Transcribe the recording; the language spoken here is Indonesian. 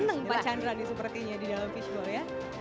senang pak chandra nih sepertinya di dalam fishball ya